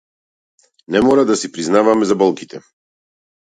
Не мора да си признаваме за болките.